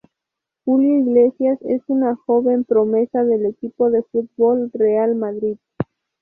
Julio Iglesias es una joven promesa del equipo de fútbol Real Madrid.